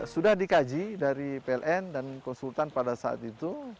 sudah dikaji dari pln dan konsultan pada saat itu